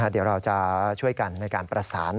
เดี๋ยวเราจะช่วยกันในการประสาน